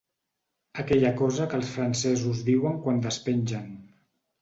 Aquella cosa que els francesos diuen quan despengen.